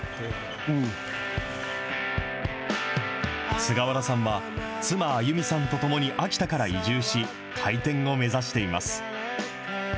菅原さんは、妻、歩美さんと共に秋田から移住し、開店を目指しています。